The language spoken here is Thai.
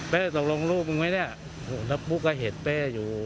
เป้ตรงลงลูกมึงไหมเนี่ยโหนับปุ๊กก็เห็นเป้อยู่